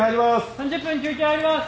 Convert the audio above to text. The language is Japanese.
３０分休憩入ります！